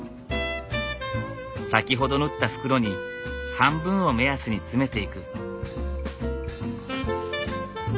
先ほど縫った袋に半分を目安に詰めていく。